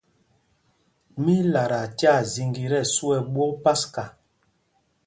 Mí í lataa tyaa zīŋgī tí ɛsu ɛ ɓwok paska.